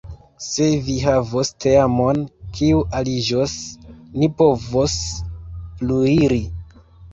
Se vi havos teamon kiu aliĝos, ni povos pluiri.